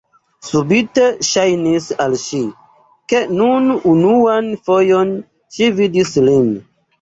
Subite ŝajnis al ŝi, ke nun unuan fojon ŝi vidis lin.